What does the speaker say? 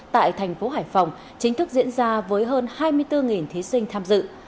tại thành phố hải phòng chính thức diễn ra với hơn hai mươi bốn thí sinh tham dự